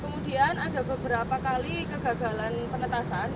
kemudian ada beberapa kali kegagalan penetasan